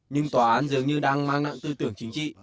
nhưng tòa án dường như đang mang nặng tư tưởng